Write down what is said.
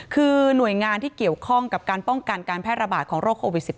คือหน่วยงานที่เกี่ยวข้องกับการป้องกันการแพร่ระบาดของโรคโควิด๑๙